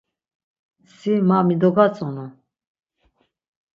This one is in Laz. Si ma mi dogatzonu?